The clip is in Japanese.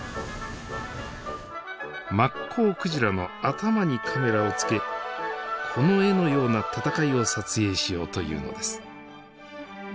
マッコウクジラの頭にカメラをつけこの絵のような戦いを撮影しようというのです。